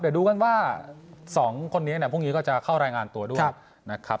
เดี๋ยวดูกันว่า๒คนนี้พรุ่งนี้ก็จะเข้ารายงานตัวด้วยนะครับ